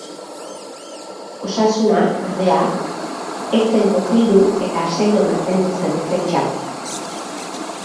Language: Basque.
Osasuna, ordea, ez zen kokildu eta sendo mantendu zen defentsan.